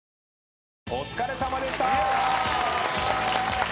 お疲れさまでした！